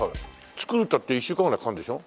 作るったって１週間くらいかかるんでしょ？